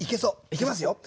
いきますよ。